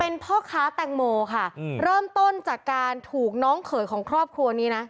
เป็นพ่อค้าแตงโมค่ะเริ่มต้นจากการถูกน้องเขยของครอบครัวนี้นะ